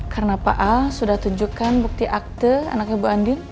karena pak al sudah tunjukkan bukti akte anaknya bu andi